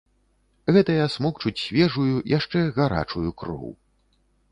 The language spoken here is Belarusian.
Гэтыя смокчуць свежую, яшчэ гарачую, кроў.